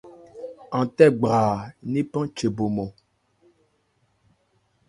An tɛ́ gbraa ńnephan che bo mɔn.